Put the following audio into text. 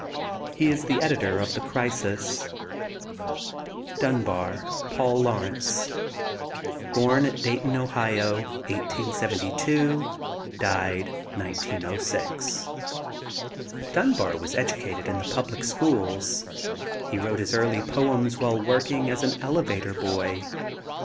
He is the editor of The Crisis. DUNBAR, PAUL LAURENCE. Born at Dayton, Ohio, 1872; died 1906. Dunbar was educated in the public schools. He wrote his early poems while working as an elevator boy.